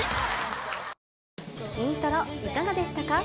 『イントロ』いかがでしたか？